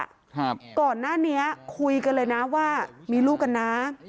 ครับก่อนหน้านี้คุยกันเลยนะว่ามีลูกกันนะ